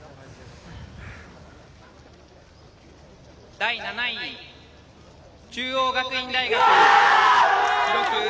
第７位、中央学院大学。